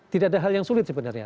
tidak ada hal yang sulit sebenarnya